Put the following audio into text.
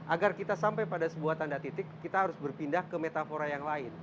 agar kita sampai pada sebuah tanda titik kita harus berpindah ke metafora yang lain